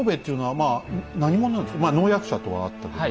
まあ能役者とはあったけども。